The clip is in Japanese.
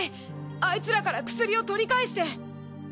あいつらから薬を取り返して！